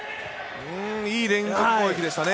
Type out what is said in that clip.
いい連続攻撃でしたね